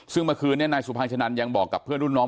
ซึ่งเมื่อคืนนี้นายสุภางชะนันยังบอกกับเพื่อนรุ่นน้อง